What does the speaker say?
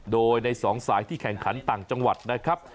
โดยใน๒สายที่แข่งขันต่างจังหวัดนะครับ